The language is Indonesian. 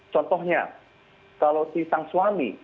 contohnya kalau si sang suami